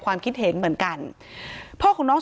การแก้เคล็ดบางอย่างแค่นั้นเอง